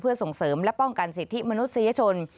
เพื่อส่งเสริมและป้องกันสิทธิมนุษยชน